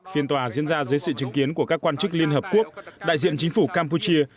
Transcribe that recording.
phiên tòa diễn ra dưới sự chứng kiến của các quan chức liên hợp quốc đại diện chính phủ campuchia